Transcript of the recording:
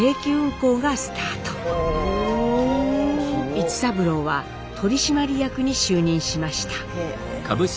市三郎は取締役に就任しました。